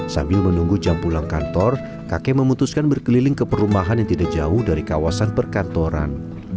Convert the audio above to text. sambil menunggu jam pulang kantor kakek memutuskan berkeliling ke perumahan yang tidak jauh dari kawasan perkantoran